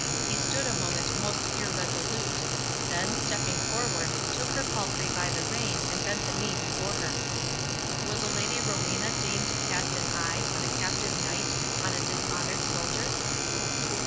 He stood a moment most irresolute; then, stepping forward, took her palfrey by the rein, and bent his knee before her. "Will the Lady Rowena deign to cast an eye—on a captive knight—on a dishonoured soldier?"